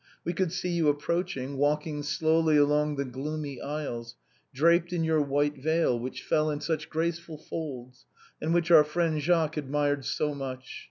We could see you approaching, walking slowly along the gloomy aisles, draped in your white veil, which fell in such grace ful folds, and which our friend Jacques admired so much.